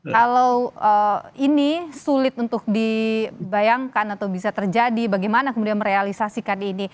kalau ini sulit untuk dibayangkan atau bisa terjadi bagaimana kemudian merealisasikan ini